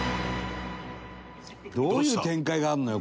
どういう展開があるのよ